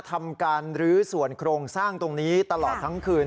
ทำการรื้อส่วนโครงสร้างตรงนี้ตลอดทั้งคืน